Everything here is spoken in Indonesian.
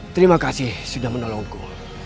terima kasih sudah menolongku